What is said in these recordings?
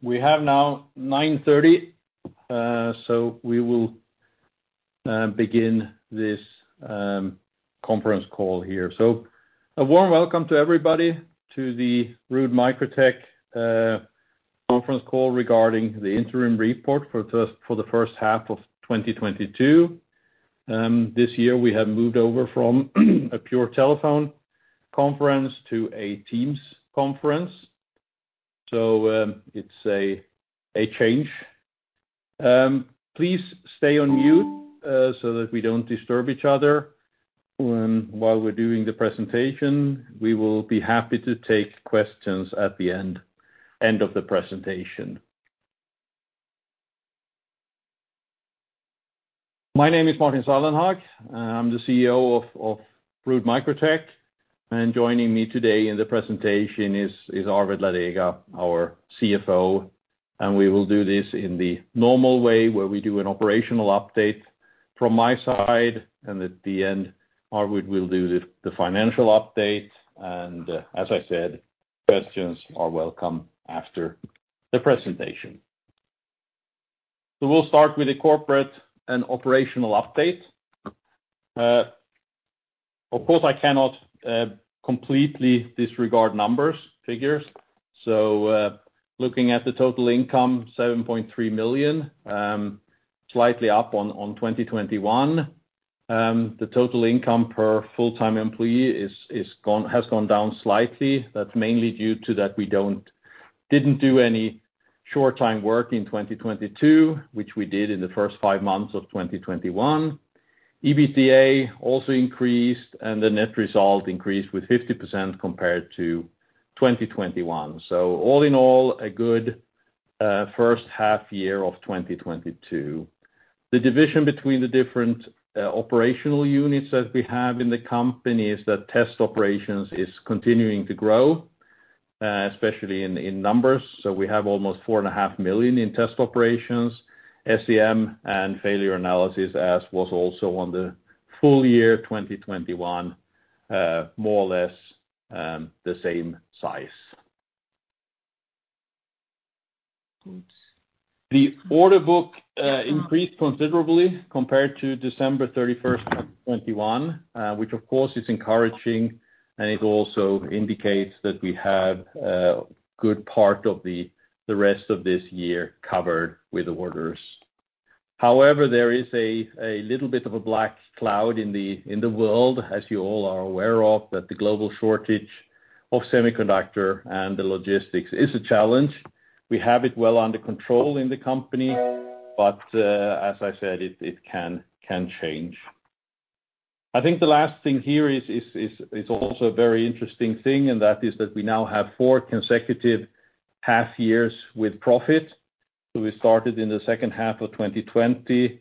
We have now 9:30 A.M.. We will begin this conference call here. A warm welcome to everybody to the RoodMicrotec conference call regarding the interim report for the first half of 2022. This year we have moved over from a pure telephone conference to a Teams conference. It's a change. Please stay on mute so that we don't disturb each other while we're doing the presentation. We will be happy to take questions at the end of the presentation. My name is Martin Sallenhag. I'm the CEO of RoodMicrotec, and joining me today in the presentation is Arvid Ladega, our CFO. We will do this in the normal way, where we do an operational update from my side, and at the end, Arvid will do the financial update. As I said, questions are welcome after the presentation. We'll start with a corporate and operational update. Of course, I cannot completely disregard numbers, figures. Looking at the total income, 7.3 million, slightly up on 2021. The total income per full-time employee has gone down slightly. That's mainly due to that we didn't do any short time work in 2022, which we did in the first five months of 2021. EBITDA also increased, and the net result increased with 50% compared to 2021. All in all, a good first half year of 2022. The division between the different operational units that we have in the company is that test operations is continuing to grow, especially in numbers. We have almost 4.5 million in test operations, SEM and failure analysis, as was also on the full year 2021, more or less, the same size. The order book increased considerably compared to December 31st, 2021, which of course is encouraging, and it also indicates that we have a good part of the rest of this year covered with orders. However, there is a little bit of a black cloud in the world, as you all are aware of, that the global shortage of semiconductors and the logistics is a challenge. We have it well under control in the company, but as I said, it can change. I think the last thing here is also a very interesting thing, and that is that we now have four consecutive half years with profit. We started in the second half of 2020,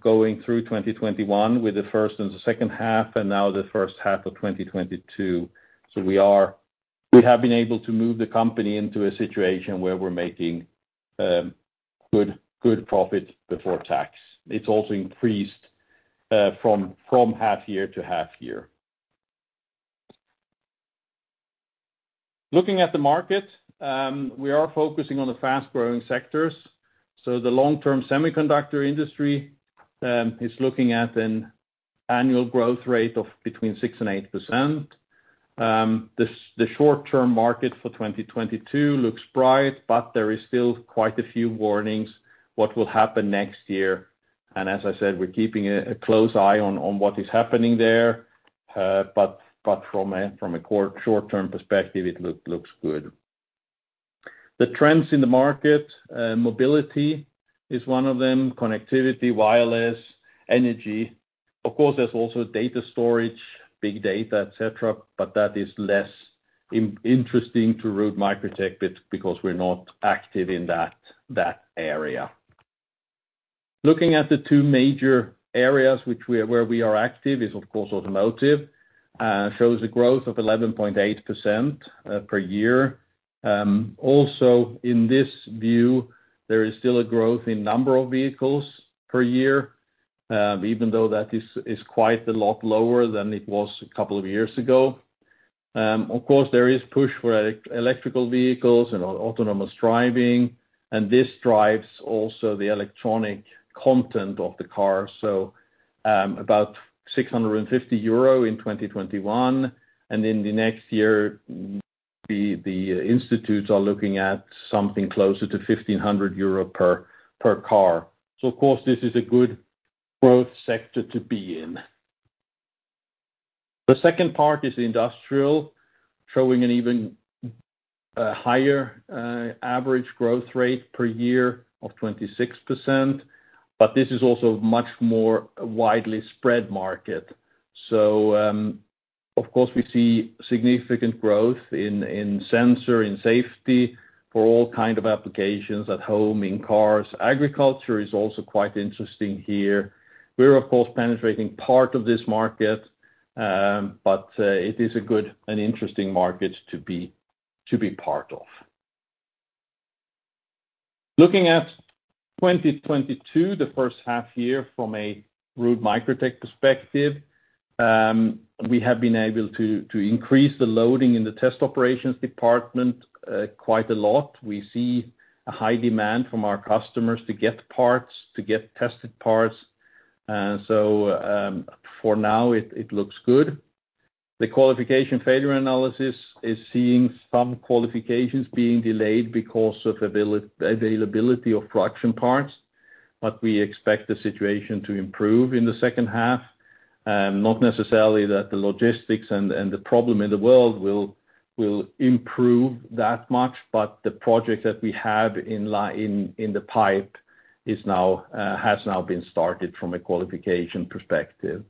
going through 2021 with the first and second half and now the first half of 2022. We have been able to move the company into a situation where we're making good profit before tax. It's also increased from half year to half year. Looking at the market, we are focusing on the fast-growing sectors. The long-term semiconductor industry is looking at an annual growth rate of between 6% and 8%. The short-term market for 2022 looks bright, but there is still quite a few warnings what will happen next year. As I said, we're keeping a close eye on what is happening there. From a short-term perspective, it looks good. The trends in the market, mobility is one of them, connectivity, wireless, energy. Of course, there's also data storage, big data, et cetera, but that is less interesting to RoodMicrotec because we're not active in that area. Looking at the two major areas where we are active is of course, automotive, shows a growth of 11.8% per year. Also in this view, there is still a growth in number of vehicles per year, even though that is quite a lot lower than it was a couple of years ago. Of course, there is push for electric vehicles and autonomous driving, and this drives also the electronic content of the car. About 650 euro in 2021, and in the next year, the institutes are looking at something closer to 1,500 euro per car. Of course, this is a good growth sector to be in. The second part is industrial, showing an even higher average growth rate per year of 26%, but this is also much more widely spread market. Of course, we see significant growth in sensor, in safety for all kind of applications at home, in cars. Agriculture is also quite interesting here. We're of course penetrating part of this market, but it is a good and interesting market to be part of. Looking at 2022, the first half year from a RoodMicrotec perspective, we have been able to increase the loading in the test operations department quite a lot. We see a high demand from our customers to get parts, to get tested parts. For now it looks good. The qualification failure analysis is seeing some qualifications being delayed because of availability of scarce parts. We expect the situation to improve in the second half. Not necessarily that the logistics and the problem in the world will improve that much, but the project that we have in the pipeline has now been started from a qualification perspective.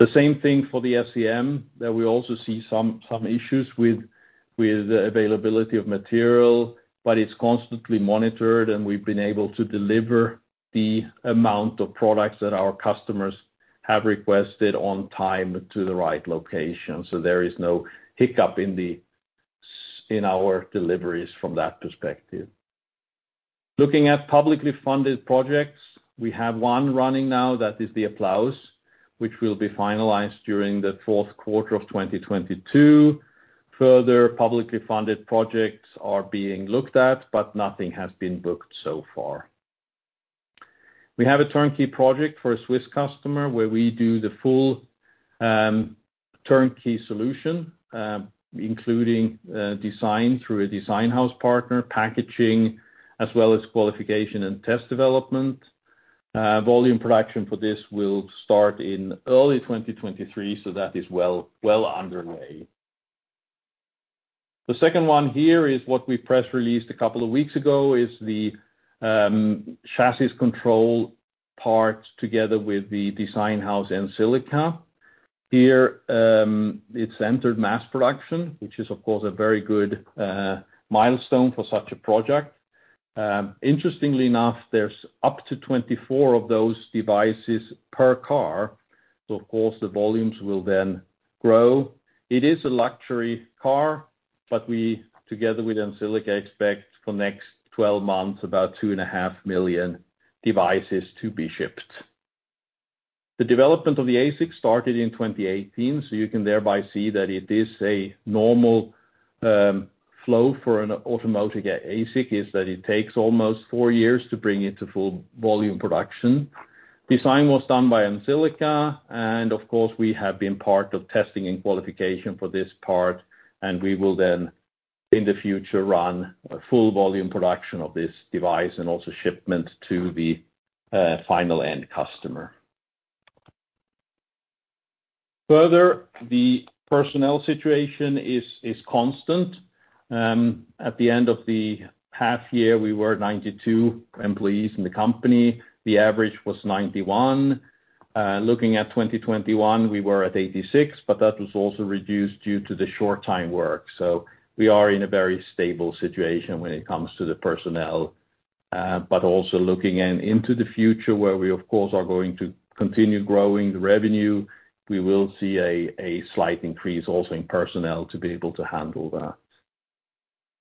The same thing for the SCM, that we also see some issues with availability of material, but it's constantly monitored, and we've been able to deliver the amount of products that our customers have requested on time to the right location. There is no hiccup in our deliveries from that perspective. Looking at publicly funded projects, we have one running now that is the APPLAUSE, which will be finalized during the fourth quarter of 2022. Further publicly funded projects are being looked at, but nothing has been booked so far. We have a turnkey project for a Swiss customer where we do the full turnkey solution, including design through a design house partner, packaging, as well as qualification and test development. Volume production for this will start in early 2023, so that is well underway. The second one here is what we press released a couple of weeks ago, is the chassis control part together with the design house, EnSilica. Here, it's entered mass production, which is of course a very good milestone for such a project. Interestingly enough, there's up to 24 of those devices per car, so of course the volumes will then grow. It is a luxury car, but we together with EnSilica expect for next 12 months about 2.5 million devices to be shipped. The development of the ASIC started in 2018, so you can thereby see that it is a normal flow for an automotive ASIC, is that it takes almost four years to bring it to full volume production. Design was done by EnSilica, and of course, we have been part of testing and qualification for this part, and we will then, in the future, run a full volume production of this device and also shipment to the final end customer. Further, the personnel situation is constant. At the end of the half year, we were 92 employees in the company. The average was 91 employees. Looking at 2021, we were at 86 employees, but that was also reduced due to the short time work. We are in a very stable situation when it comes to the personnel. Also looking into the future where we of course are going to continue growing the revenue, we will see a slight increase also in personnel to be able to handle that.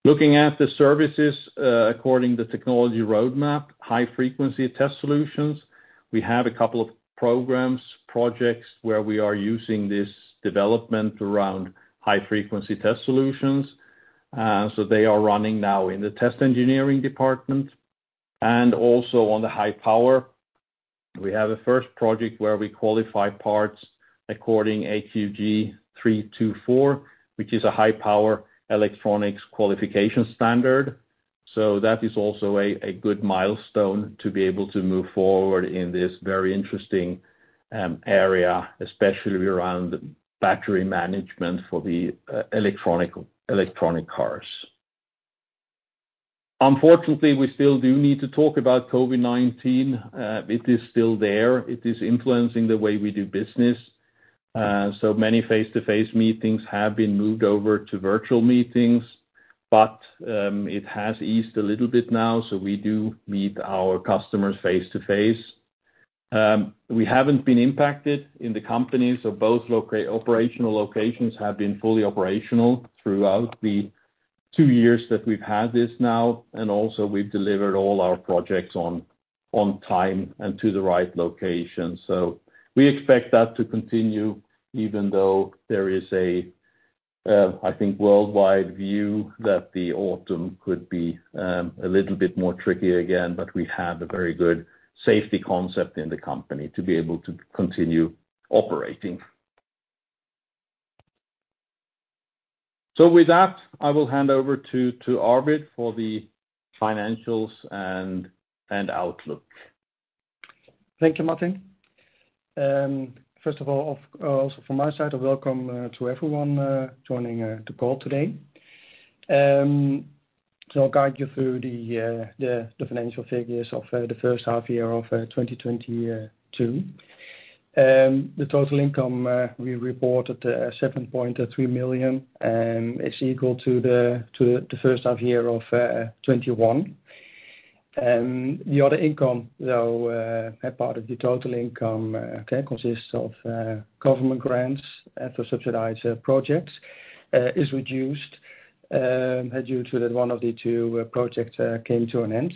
Looking at the services according to technology roadmap, high frequency test solutions, we have a couple of programs, projects where we are using this development around high frequency test solutions. They are running now in the test engineering department and also on the high power. We have a first project where we qualify parts according to AQG 324, which is a high power electronics qualification standard. That is also a good milestone to be able to move forward in this very interesting area, especially around battery management for the electric cars. Unfortunately, we still do need to talk about COVID-19. It is still there. It is influencing the way we do business. So many face-to-face meetings have been moved over to virtual meetings, but it has eased a little bit now, so we do meet our customers face-to-face. We haven't been impacted in the company, so both operational locations have been fully operational throughout the two years that we've had this now. We've delivered all our projects on time and to the right location. We expect that to continue, even though there is a, I think, worldwide view that the autumn could be a little bit more tricky again. We have a very good safety concept in the company to be able to continue operating. With that, I will hand over to Arvid for the financials and outlook. Thank you, Martin. First of all, also from my side, welcome to everyone joining the call today. I'll guide you through the financial figures of the first half year of 2022. The total income we reported, 7.3 million, is equal to the first half year of 2021. The other income, though, a part of the total income, okay, consists of government grants at the subsidized projects. It is reduced due to that one of the two projects came to an end.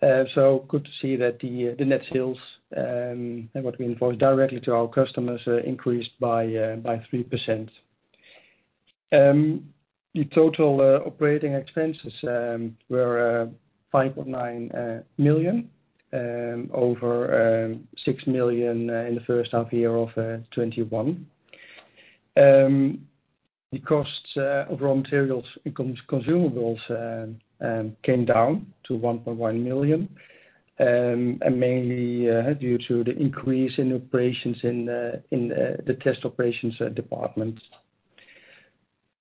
Good to see that the net sales and what we invoice directly to our customers increased by 3%. The total operating expenses were 5.9 million over 6 million in the first half year of 2021. The costs of raw materials and consumables came down to 1.1 million and mainly due to the increase in operations in the test operations department.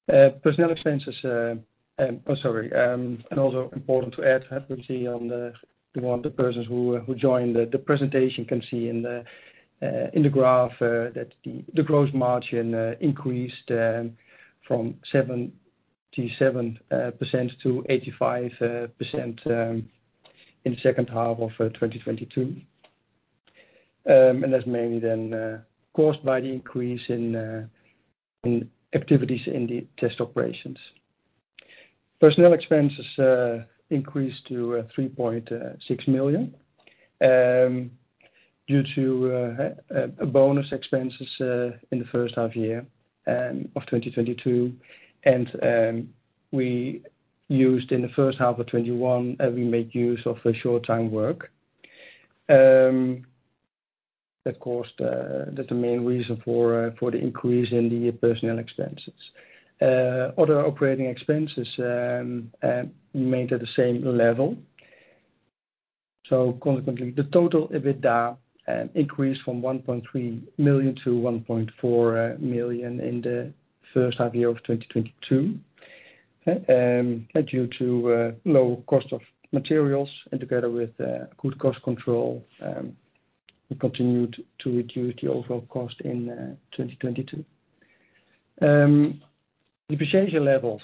Personnel expenses, oh, sorry, and also important to add, as we can see in the graph, that the gross margin increased from 77%-85% in second half of 2022. That's mainly then caused by the increase in activities in the test operations. Personnel expenses increased to 3.6 million due to bonus expenses in the first half year of 2022. We made use of the short-term work in the first half of 2021. Of course, that's the main reason for the increase in the personnel expenses. Other operating expenses remained at the same level. Consequently, the total EBITDA increased from 1.3 million-1.4 million in the first half year of 2022. Due to low cost of materials and together with good cost control, we continued to reduce the overall cost in 2022. Depreciation levels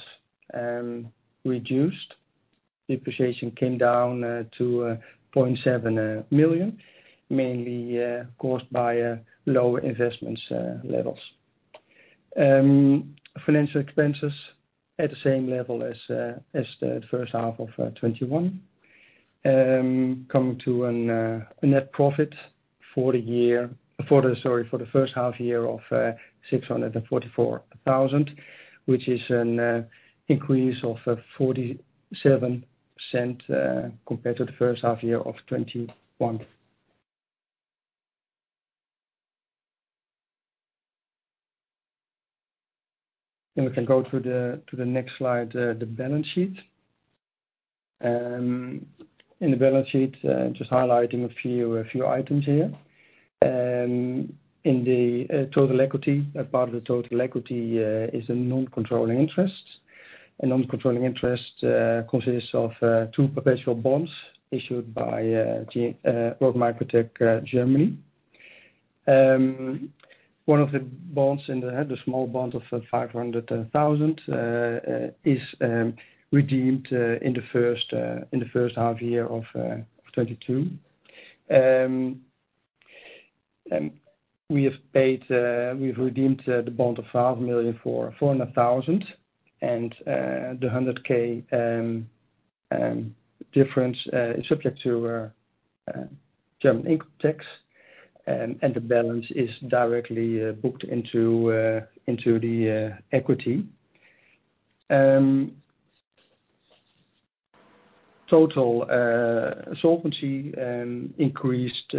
reduced. Depreciation came down to 0.7 million, mainly caused by lower investments levels. Financial expenses at the same level as the first half of 2021. Coming to a net profit for the first half year of 644,000, which is an increase of 47% compared to the first half year of 2021. We can go to the next slide, the balance sheet. In the balance sheet, just highlighting a few items here. In the total equity, a part of the total equity is a non-controlling interest. A non-controlling interest consists of two perpetual bonds issued by RoodMicrotec Germany. One of the bonds indeed, the small bond of 500,000, is redeemed in the first half year of 2022. We've redeemed the bond of 5 million for 400,000. The 100,000 difference is subject to German income tax. The balance is directly booked into equity. Total solvency increased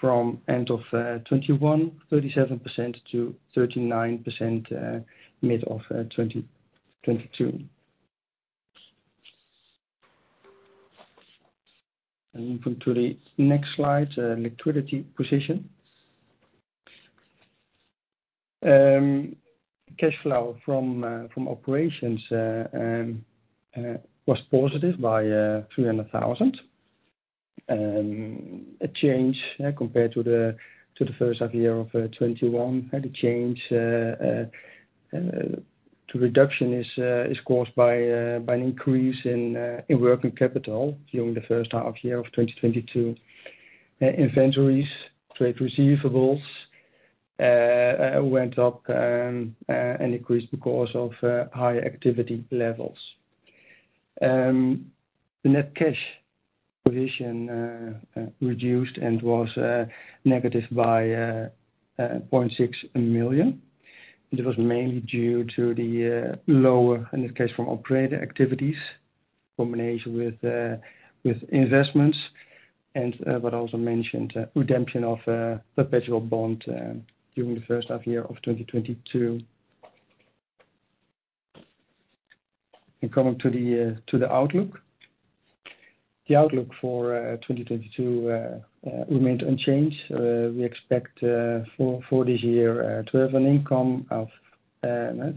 from end of 2021, 37%-39% mid of 2022. Moving to the next slide, liquidity position. Cash flow from operations was positive by 300,000, a change compared to the first half year of 2021. The change, the reduction is caused by an increase in working capital during the first half year of 2022. Inventories, trade receivables went up and increased because of higher activity levels. The net cash position reduced and was negative by 0.6 million. It was mainly due to the lower, in this case, from operating activities in combination with investments and what I also mentioned, redemption of perpetual bond during the first half year of 2022. Coming to the outlook. The outlook for 2022 remains unchanged. We expect for this year to have an income of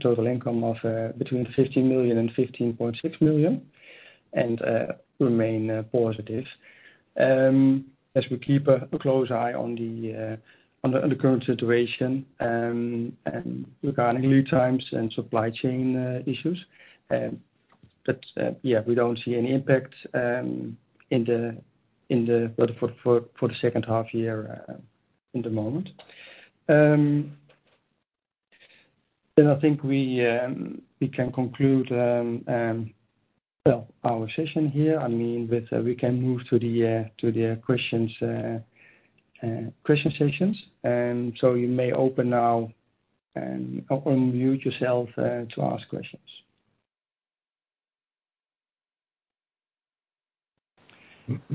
total income of between 15 million and 15.6 million and remain positive. As we keep a close eye on the current situation and regarding lead times and supply chain issues, we don't see any impact in the second half year at the moment. I think we can conclude well our session here. I mean, we can move to the questions question sessions. You may open now and unmute yourself to ask questions.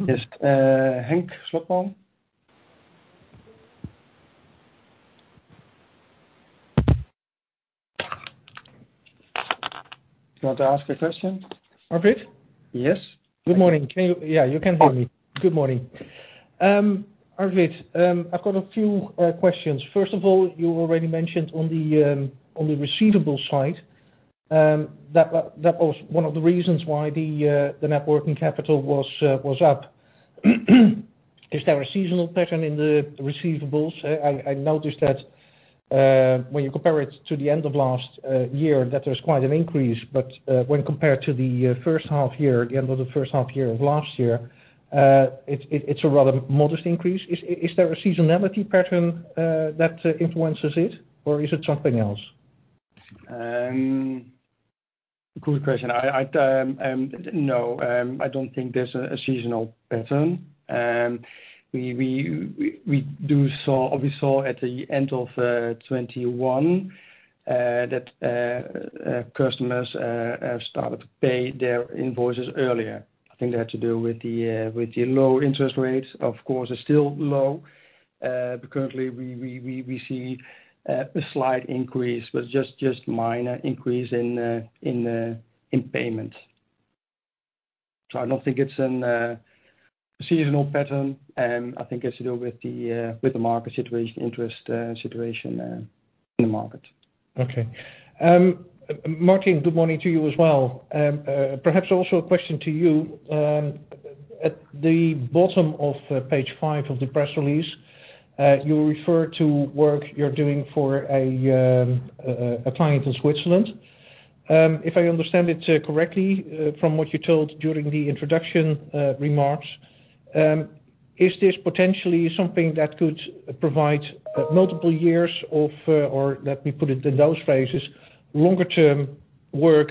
Just Henk Slotboom. You want to ask a question? Arvid? Yes. Good morning. Yeah, you can hear me. Good morning. Arvid, I've got a few questions. First of all, you already mentioned on the receivable side that that was one of the reasons why the net working capital was up. Is there a seasonal pattern in the receivables? I noticed that when you compare it to the end of last year that there's quite an increase. When compared to the first half year, the end of the first half year of last year, it's a rather modest increase. Is there a seasonality pattern that influences it or is it something else? Good question. No, I don't think there's a seasonal pattern. We saw at the end of 2021 that customers started to pay their invoices earlier. I think that had to do with the low interest rates. Of course, it's still low, but currently we see a slight increase, but just minor increase in payments. I don't think it's an seasonal pattern. I think has to do with the market situation, interest situation in the market. Okay. Martin, good morning to you as well. Perhaps also a question to you. At the bottom of page five of the press release, you refer to work you're doing for a client in Switzerland. If I understand it correctly, from what you told during the introduction remarks, is this potentially something that could provide multiple years of, or let me put it in those phrases, longer term work,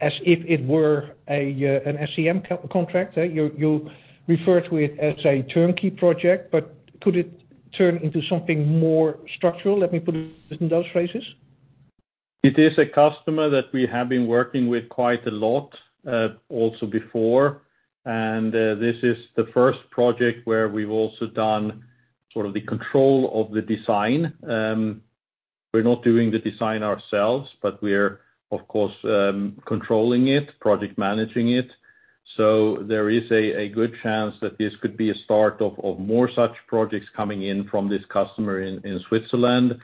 as if it were an SCM contract? You refer to it as a turnkey project, but could it turn into something more structural? Let me put it in those phrases. It is a customer that we have been working with quite a lot, also before. This is the first project where we've also done sort of the control of the design. We're not doing the design ourselves, but we're of course controlling it, project managing it. There is a good chance that this could be a start of more such projects coming in from this customer in Switzerland.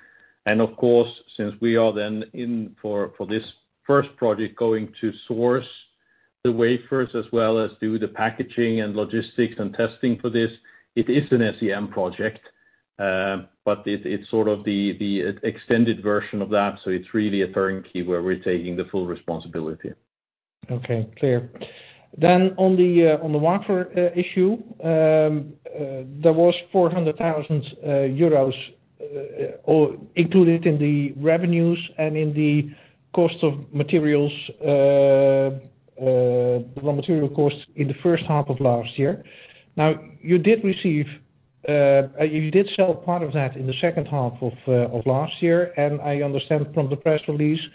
Of course, since we are then in for this first project, going to source the wafers as well as do the packaging and logistics and testing for this, it is an SCM project. But it's sort of the extended version of that. It's really a turnkey where we're taking the full responsibility. Okay, clear. On the wafer issue, there was EUR 400,000 included in the revenues and in the cost of materials, the raw material costs in the first half of last year. Now, you did receive, you did sell part of that in the second half of last year. I understand from the press release that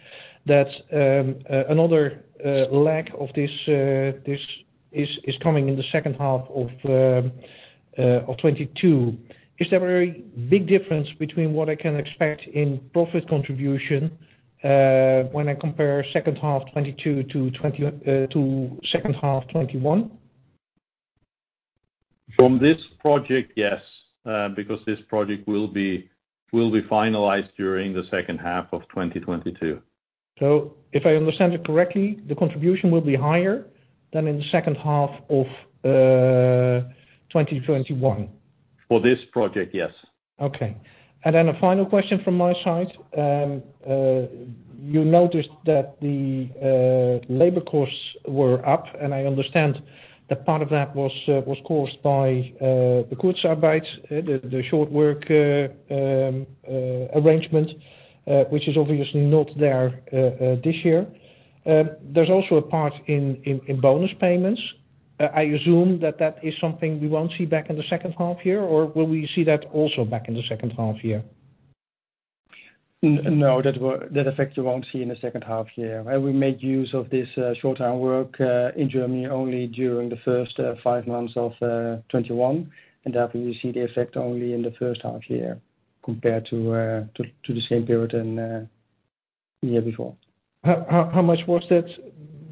another leg of this is coming in the second half of 2022. Is there a very big difference between what I can expect in profit contribution when I compare second half 2022 to second half 2021? From this project, yes, because this project will be finalized during the second half of 2022. If I understand it correctly, the contribution will be higher than in the second half of 2021. For this project, yes. Okay. A final question from my side. You noticed that the labor costs were up, and I understand that part of that was caused by the Kurzarbeit, the short work arrangement, which is obviously not there this year. There's also a part in bonus payments. I assume that is something we won't see back in the second half year, or will we see that also back in the second half year? No, that effect you won't see in the second half year. We made use of this short-time work in Germany only during the first five months of 2021, and that we see the effect only in the first half year compared to the same period in the year before. How much was that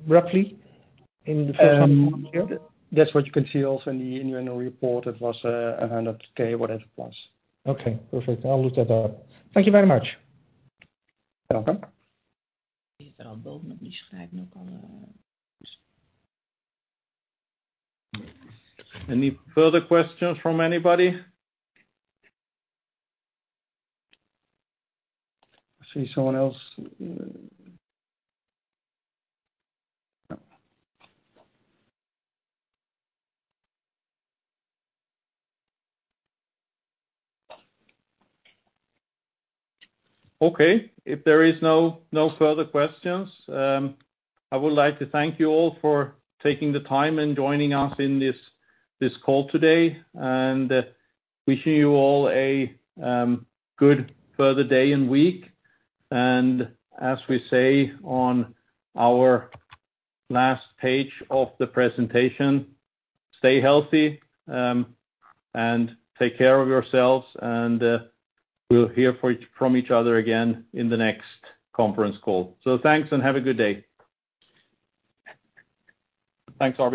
roughly in the first half of the year? That's what you can see also in the annual report. It was 100,000, whatever it was. Okay, perfect. I'll look that up. Thank you very much. You're welcome. Any further questions from anybody? I see someone else. Okay. If there is no further questions, I would like to thank you all for taking the time and joining us in this call today. Wishing you all a good further day and week. As we say on our last page of the presentation, stay healthy and take care of yourselves, and we'll hear from each other again in the next conference call. Thanks and have a good day. Thanks, Arvid.